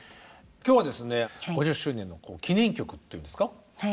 今日はですね５０周年の記念曲というんですか